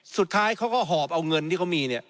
สุดท้ายเขาก็หอบเอาเงินที่เขามีเนี่ย